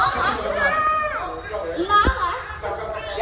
กลับบ้านสุดท้าย